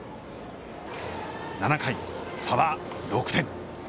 ７回、差は６点。